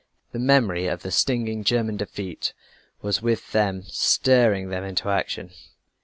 The memory of the stinging German defeat was with them stirring them to action.